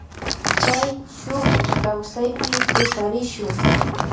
Chay shuk kawsaypi tuparishun.